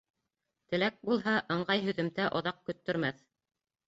Теләк булһа, ыңғай һөҙөмтә оҙаҡ көттөрмәҫ.